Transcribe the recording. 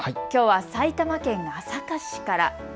きょうは埼玉県朝霞市から。